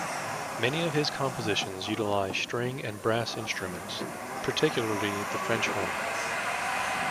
Many of his compositions utilize string and brass instruments, particularly the French horn.